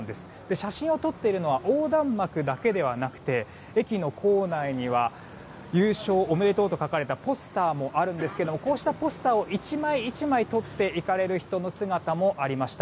写真を撮っているのは横断幕だけではなくて駅の構内には優勝おめでとうと書かれたポスターもあるんですがこうしたポスターを１枚１枚撮っていかれる人の姿もありました。